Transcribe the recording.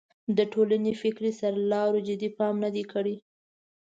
د ټولنې فکري سرلارو جدي پام نه دی کړی.